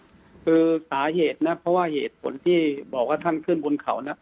คือสาเหตุนะเพราะว่าเหตุผลที่บอกว่าท่านขึ้นบนเขาน่ะ